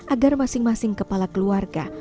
agar masing masing kepala keluarga